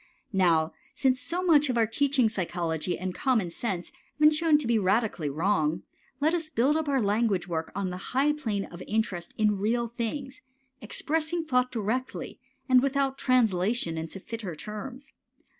Now since so much of our teaching psychology and common sense have shown to be radically wrong, let us build up our language work on the high plane of interest in real things, expressing thought directly without translation into fitter terms.